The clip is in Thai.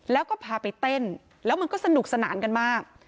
แล้วก็พาไปเต้นแล้วมันก็สนุกสนานกันมาก